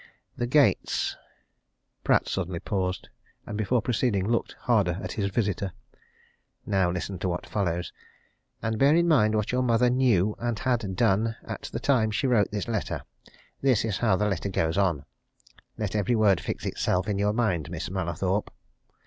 The gates '" Pratt suddenly paused, and before proceeding looked hard at his visitor. "Now listen to what follows and bear in mind what your mother knew, and had done, at the time she wrote this letter. This is how the letter goes on let every word fix itself in your mind, Miss Mallathorpe!"